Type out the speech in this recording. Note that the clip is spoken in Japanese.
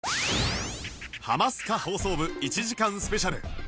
『ハマスカ放送部』１時間スペシャル